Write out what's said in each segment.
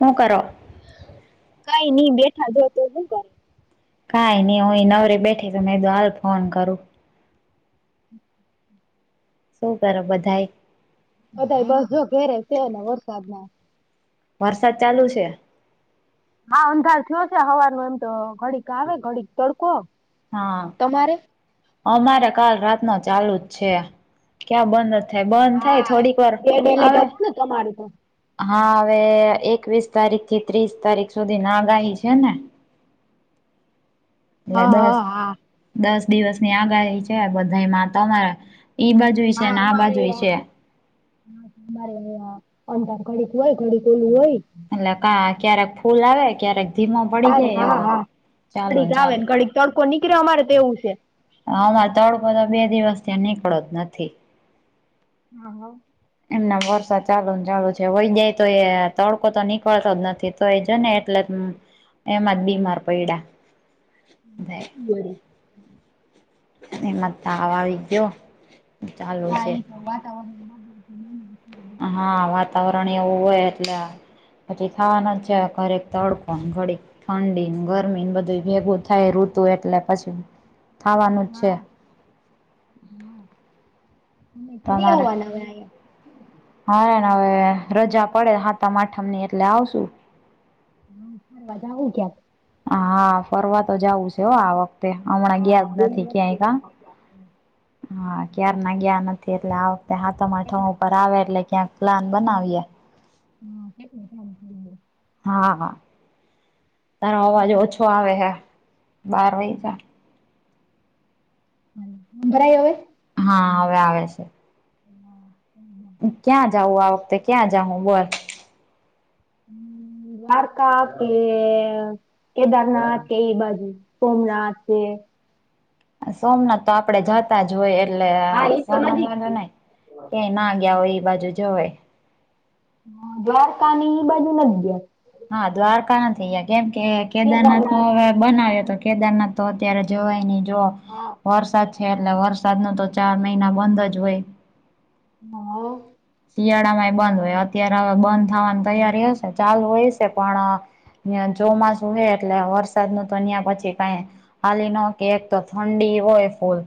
હું કરો કઈ નહી બેઠા, જો તો શું કરે? કઈ નહી હ નવરી રે, બેઠે તો મે તો હાલ ફોન કરું. શું કરો બધાય? બધા બસ જો ઘેરે છે ને, વરસાદમાં. છે. હા, અંધાર થયો છે, હવા ન એમ તો ઘડીક આવે, ઘડી તડકો હા, તમારે? અમારે કાલ રાત ન ચાલુ જ છે. ક્યાં બંધ જ થાય, બંધ થાય, થોડીક વાર આવે. તમારે તો. હા, હવે એકવીસ તારીખ થી ત્રીસ તારીખ. સુધી નાગાહી છે ને, એટલે હા દસ હા હા. દસ દિવસ ની આગાહી છે, બધામાં તમારે ઈ બાજુ છે હા, ને આ અમારે બાજુ યાર. છે હા, અમારે અંધાર ઘડીક હોય, ઘડીક ઓલું હોય. એટલે કા ક્યારેક ફૂલ આ, વે ક્યારેક ધીમો પડી અરે જાય, હા એવો હા ચાલો ઘડીક ને આવે ચાલુ. ઘડીક તડકો નીકળે, અમારે તો એવું છે. હવા તડકો તો બે દિવસથી અહીં નીકળો જ નથી. હા, હાવ. એમના વરસાદ ચાલુ ને ચાલુ છે, વહી જાય તો, એ તડકો તો નીકળતો જ નથી. તો એ જોને એટલે જ, એમાં જ બીમાર પયડા. [unintelligible] એમાં જ તાવ આવી ગીયો. હા ઈ પણ વાત હા. વાતાવરણ એવું હોય એટલે પછી થવાનો જ છે. ઘડીક તડકો ને ઘડીક ઠંડીન, ગરમીન બધુંઈ ભેગું થાય ઋતુ એટલે પછી. થવાનું જ છે [unintelligible] હાલો ને હવે રજા પડે હાતમ આઠમની એટલે આવશું. હમ્મ. બધા હુ ગિયા. હા. ફરવા તો જાવું છે હો આ વખ તે. હમણાં હા ગીયા જ નથી હા ક્યાંય કાં? હા. ક્યારના ગયા નથી, એટલે આ વખતે હાતમ આઠમ ઉપર આવે એટલે ક્યાંક પ્લાન બનાવીએ. [inaudible] હા, હા. તારો અવાજ બાકી તો ઓછો આવે હે. બાર વાઈગા. હંભરાઈ હવે? હા હવે આવે સે. [inaudible] ક્યાં જાઉં આ વખતે, ક્યાં જાહુ બોલ? અમ્મ દ્વારકા કે કેદારનાથ કે, ઈ બાજુ. સોમનાથ છે. સોમનાથ તો આપણે જાતા જ હોય, એટલે હા એ તો નજીક સોમનાથમાં બાજુ છે નહીં. ક્યાય ના ગિયા હોય, ઈ બાજુ જવાય. [unintelligible] દ્વારકા ની ઈ બાજુ નથ ગિયા. હા દ્વારકા નથી ગિયા. કેમ કે, કેદારનાથ તો હવે બનાવીએ તો કેદારનાથ તો અત્યારે જવાય નહીં. જો હા વરસાદ છે, એટલે વરસાદનો તો ચાર મહિના બંધ જ હોય. [inaudible] શિયાળામાં એ બંધ હોય. અત્યારે હવે બંધ થવાની તૈયારી હશે. ચાલુ હઈશે પણ ન્યાં ચોમાસું હે, એટલે વરસાદનું તો ન્યાં પછી કાંઈ હાલી હકે, એક તો ઠંડી હોય ફુલ.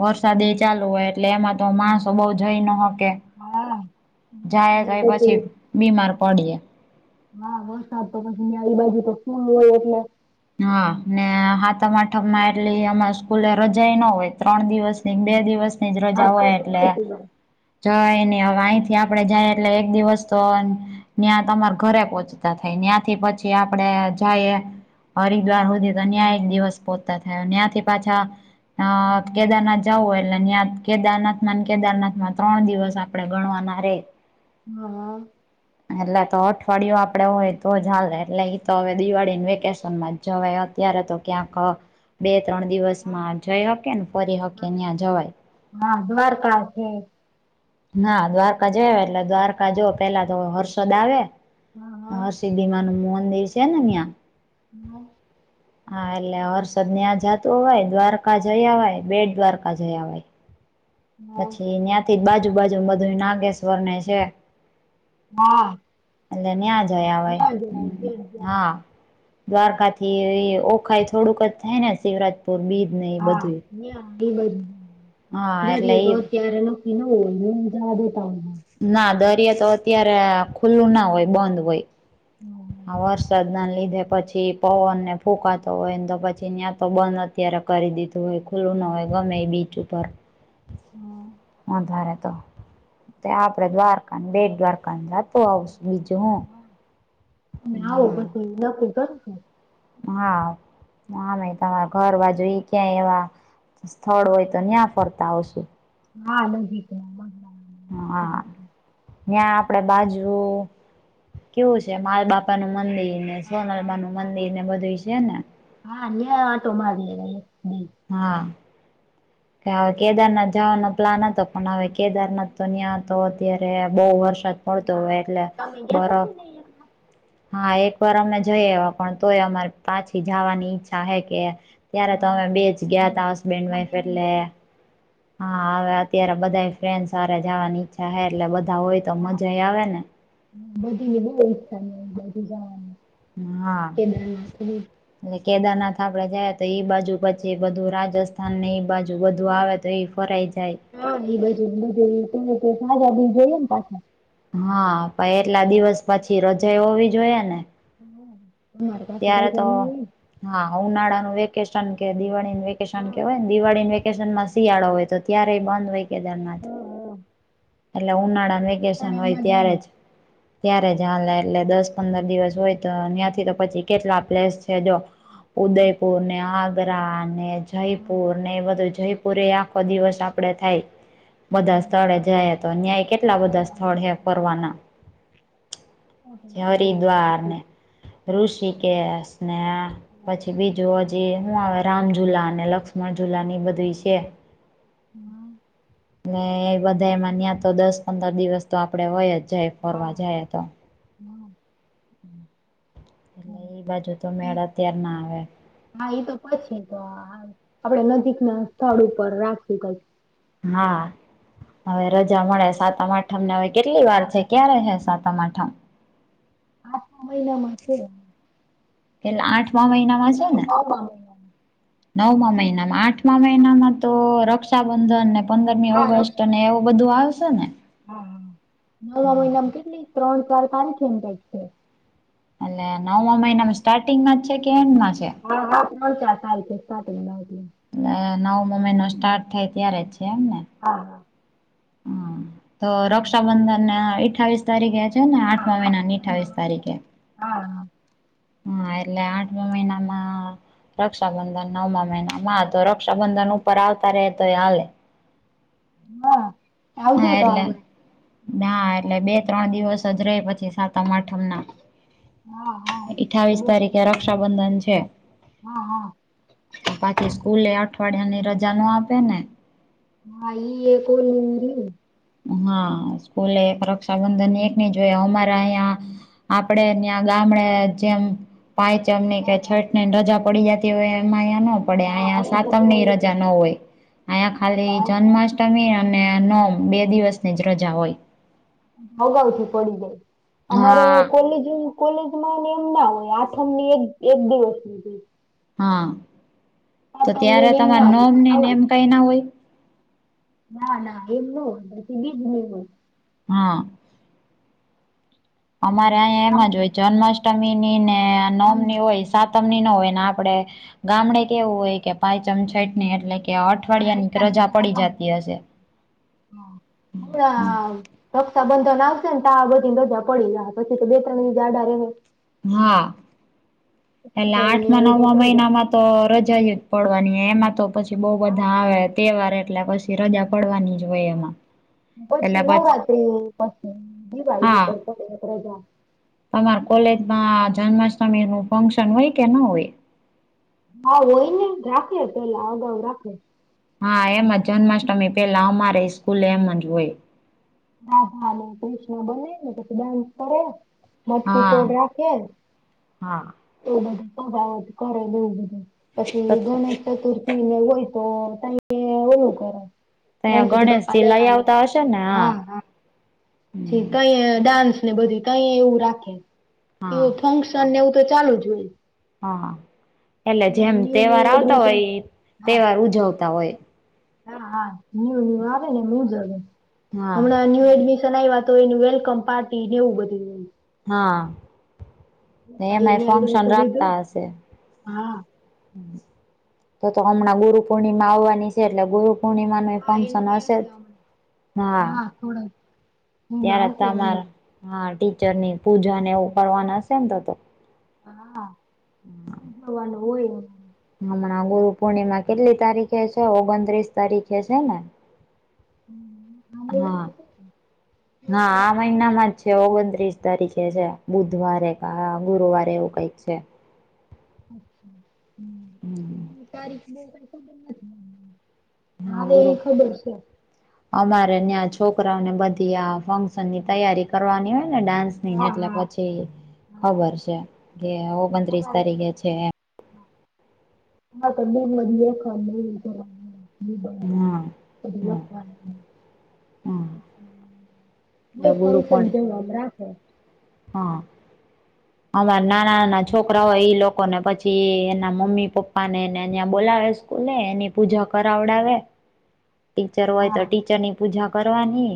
વરસાદ એઈ ચાલુ હોય. એટલે એમાં તો માણસો બહુ જઈ ન હકે. હા. વરસાદ જાઈએ ને તોય પછી બીમાર પડીએ. હા. વરસાદ તો પછી, ન્યાં ઈ બાજુ તો ફૂલ હોય એટલે હા. ને હાતમ-આઠમમાં એટલી અમાર સ્કૂલે રજાઈ નો હોય. ત્રણ દિવસ નીન બે દિવસ ની જ હા રજા તો હોય તો ન એટલે. જવાય હા જવાય નહીં, હવે વાહેથી આપણે જાઈએ એટલે એક દિવસ તોન ન્યાં તમાર ઘરે પહોંચતા થાય. ન્યાં થી પછી આપણે જાઈએ હરિદ્વાર હુધી, તો ન્યાં એક દિવસ પહોંચતા થાય. ને ન્યાંથી પાછા અહ કેદારનાથ જાવુ હોય એટલે, ન્યાંત કેદારનાથમાંન કેદારનાથમા, ત્રણ દિવસ આપણે ગણવાના રેઈ. [inaudible] હા. એટલે તો અઠવાડીયુ આપણે હોય તો જ હાલે, એટલે ઈ તો હવે દિવાળીનું વેકેશ શન માં જ જવાય. અત્યારે તો ક્યાંક બે-ત્રણ હા દિવસમાં જઈ હકે ન ફરી હા હકેન હા ન્યા જવાય. હા દ્વારકા છે ના દ્વારકા જે એટલે દ્વારકા જો પેલા તો હર્ષદ આવે હા હા હર્ષિ દીમાનું મોંદિર છેન ન્યા હમ્મ [unintelligible] હા એટલે હર્ષદ ન્યાં જાતું અવાય દ્વારકા જઈ આવાય બેટ દ્વારકા જય આવાય. હા પછી ન્યાથી બાજુ બાજુ બધું નાગેશ્વરને છે હા હા એટલે ન્યા જય આવાય, ન્યાં જવાય બેટ હા દ્વારકા દ્વારકાથી ઈઅ ઓખાઈ થોડુંક જ થાય ને શિવરાજપુર બીજને એ બધું ન્યા [inaudible] હા એટલે દરિયે તો એ અત્યારે નક્કી ન હોય [inaudible] ના દરિયા તો અત્યારે ખુલ્લું ના હોય બંધ હોય. હા આ વરસાદના લીધે પછી પવનને ફૂંકાતો હોય ન તો પછી ન્યા તો બં ત્યારે કરી દીધું હોય ખુલ્લું ના હોય ગમે એ બીચ ઉપર હા વધારે તો તે આપડે દ્વારકા ન બેટ દ્વારકા જાત તો આવશું બીજું હું તમે આવો બધું નક્કી કરું સુ હા મુ આમે તમાર ફરવા જઈ ક્યાંય એવા સ્થળ હોય તો ન્યા ફરતા આવશું હા બધી ખબર હા હા ન્યા આપડે બાજું કેવું છે માલ બાપા નું મંદિર [unintelligible] હા માણેક નાનું મંદિર વાળા ને બધું છે ને હા લ્ય આટો માર્ય [unintelligible] હા કે હવે કેદારનાથ જાવાનો પ્લાન હતો પણ હવે કેદારનાથ તો ન્યાતો અત્યારે બોવ વરસા હોયતો હવે હા એટલે તમે ગયા બર તા કે નઈ એકવાર હા એકવાર અમે જઈ આયવા પણ તોય અમાર પાછી જવાની ઈચ્છા હે કે ત્યારે તો હા અમે બે જ બધાય ગ્યાતા હસબેન્ડ વાઈફ બધીની એટલે બહુ હા હવે અત્યારે બધાય ફ્રેન્ડસ હારે જાવાની ઈચ્છા હે એટલે બધા હોય તો મજાય આવે ને. [inaudible] એ હા કેદારનાથ બી. ને કેદારનાથ આપડે ગયાતા ઈ બાજુ પછી બધું રાજસ્થાન ને ઈ બાજ જુ બધું આવે તો ઈ ફરાઈ જાય. હા એ બજું [unintelligible] બધું સાજા બિલ જોઈએ ને પાછા હા પા એટલા દિવસ પછી રજા એ હોવી જોઈએ ને હમ્મ ત્યારે તો હા ઉનાળાનું વેકેશન કે દિવાળીનું વેકેશન હા કેવાયન દિવાળીન વેકેશનમાં શિયાળો હોય તો ત્યારેય બંધ હોય કેદારનાથ હા એટલે ઉનાળાન વેકેશન હોય ઉનાળામાં ત્યારે જાને જ ત્યારે જ હાલે એટલે દસ-પંદર દિવસ હોય તો ન્યા થી તો પછી કેટલા પ્લેસ છે જો હા ઉદયપુર ને આગ્રા ને જયપુર ને એ બધું જયપ પૂરે આખો દિવસ આપડે થાય બધા હા સ્થળે જય ન્યા એ કેટલા બધા સ્થળ હે ફરવામાં ફરવાના. [inaudible] હા ઋષિકેસ ને હા પછી બી જોવા જઈએ, હું આવે રામઝુલા ને, લક્ષ્મણ ઝુલાની બધું છે. હા. ને એ બધા એમાં ન્યાં તો દસ પંદર દિવસ તો આપડે હોય જ. જ ફરવા જાય તો. હમ્મ. એટલે એ બાજુ તો મેળા અ ત્યારના આવે. હા, એ તો પછી તો આપડે નજીકના સ્થળ ઉપર રાખ્યું. હા, હવે રજા મળે, સાતમ-આઠમ ને હવે કેટલી વાર હા છે. ક્યા રહે સા તમામ આઠમા મહિનામાં છે. પેલા આઠમા મહિનામાં છે ને, નવમા મહિનામાં નવમા મહિનામાં આઠ મા હા મહિનામાં તો રક્ષાબંધન ને, પંદરમી હા ઓગસ્ટને એવું રક્ષાબંધન બધું આવશે ને? હા, નવા હા મહિનામાં કેટલી ત્રણ ચાર કારીખ એમ છે. અલ્લે નવ અમ નમ સ્ટાર્ટિંગમાંચે કે એન્ડ મામાંચે હા, હા, ત્રણ-ચાર સાારી છે, સ્ટાર્ટિંગના. એ નવમ મહિનો સ્ટાર્ટ થાય ત્યારે જ છે, એમ ને? હા. હા હમ્મ, તો રક્ષાબંધન અઠાવીસ તારીખે છે ને, હા આઠમાં મહિના આઠમા અઠાવીસ મહિનામાં તારીખે હા હા, એલે આટપમે નામાં રક્ષાબંધન નવમા મહિના માં તો રક્ષાબંધન ઉપર આવતા રે તો એ હાલે. હા. આવજો હા, તો એટલે અમે. ના એટલે બે ત્રણ દિવસ જ ર પછી સાતમ-આઠમ ના. હા, હા. પ્રાબંધન છે. હા, હા. પાછી સ્કૂલે અઠવાડિયાની રજા આપે ને. ઈએ નીરી. હા, સ્કૂલે રક્ષાબંધન એક નહીં, જોઈ અમારા અહિયાં. આપડે ત્યાં ગામડે જેમ. પાંચમની કે હા હા છઠ, ને રજા પડી જતી હોય, એમાંયા પડ હા અહીંયા તો સાતમ બહુ ની રજા હા ન હોય, અહીયા ખાલી અહીંયા જન્માષ્ટમી અને ન બે દિવસ ને જ રજા હોય. અગાઉથી પડી જાય, અમારે હા. કોલેજ કોલેજમાં ને એમ ના હોય, આઠમ ની એક-એક દિવસની હા, તો સાતમની ત્યારે ને એમ તમાર ના હોય તો નોમની નેમ જવાનું. કઈ ના હોય. ના, ના એમ ન હોય, પછી બીજ નહી હોય. હા. અમારે અહીંયા એમાં જ હોય, જન્માષ્ટમીની ને નવમની હોય સાત ની હોય ને, આપડે ગામડે કેવું હોય કે, પાંચમ છેટની એટલે. કે અઠવાડિયાની રજા પડી આગળ જતી ચાલે છે. હશે. હા. હમણાં રક્ષાબંધન આવશે ને, તો આ બધી મજા પડી જ પછી તો બે ત્રણી જાડા હા, પછી એલા બધાયને આઠમાં રજા નવમાં પડી જાહે મહિનામાં. તો રજા જ પડવાની એમાં તો પછી બહુ હા બધા આવે તહેવાર, એટલે પી કે રજા પડવાની જ હોય. હા. એમાં પછી નવરાત્રી, પછી દિવાળી હા તમાર કોલેજમાં જન્માષ્ટમીનું ફંક્શન હોય કે ન હોય? હા, હોય ને. રાખે પહેલા અગાઉ રાખે. હા, એમ જ જન્માષ્ટમી પહેલા અમારેઈ સ્કૂલે એમ જ હોય. રાધા ને કૃષ્ણ બને ને પછી ડાન્સ કરે. મટકી હા ફોડ રાખે. હા. એવું બધું સજાવટ કરે, બોવ બધું. પછી ત્યાં ગણેશ ચતુર્થી ને હોય તો તઈએ ઓલું કરે. ત્યાં ગણપતિ બાપા ગણેશજીથી લઈ આવે આવતા હશે ને? હા. પછી હમ તઈએ ડાન્સ ને બધું તઈએ એવું રાખે. કે હા એવું ફંક્શ શન ને એવું તો ચાલુ જ હોય. હા. એટલે હમણાં જેમ ન્યુ ન્યુ તહેવાર આવતા એડમિશન હોય હા તહેવાર ઉજવતા હોય. હા, હા. ન્યુ-ન્યુ આવે ને એમ ઉજવવે. હા હમણાં ન્યુ એડમિશ શન આઈયા તો એનું વેલકમ પાર્ટી એવું બધું હોય. હા. ને તારી એમાંઈ એને ફંક્શન એડમિશન લીધું રાખતા હશે. હા તો-તો હમણાં ગુરુ પૂર્ણિમા આવવાની સે, એટલે ગુરુ પૂર્ણિમાના એય હા એનું ફંક્શન એ હશે જ. હમણાં હા. થોડાક મહિના ત્યારે હશે એનું તમારા, હા ટીચરનીન પૂજાને એવું કરવાના હશે ને તો-તો. હા. [inaudible] હમણાં ગુરુ પૂર્ણિમા કેટલી તારીખે શે? ઓગણત્રીસ તારીખે સે ને? હમ્મ-હમ્મ. હા. હા. આ મહિનામાં જ છે ઓગણત્રીસ તારીખે છે. બુધવારે કા ગુરુવાર એવું કંઈક છે. [inaudible] હમ [inaudible] હા ગુરુ એ ખબર છે અમારે ન્યાં છોકરાઓને બધી આ ફંક્શનની તૈયારી કરવાની હોય ને ડાન્સ ની હા એટલે હા પછી હા ખબર છે, કે ઓગણત્રીસ અમારે તારીખે છે એમ. [unintelligible] એમ હા હા હા [inaudible] એટલે બસ ગુરુ પણ હવે [unintelligible] આમ રાખો. હા. અમાર નાના- નાના છોકરા હોય ઈ લોકોને પછી એના મમ્મમી-પપ્પા ને એને બોલાવે છ. કૂલે એની પૂજા કરાવડાવે. ટીચર હોય તો હા ટીચરની પૂજા કરવાની.